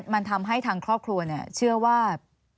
มันทำให้ทางครอบครัวเชื่อว่า